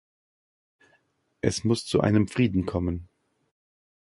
Es muss zu einem Frieden kommen!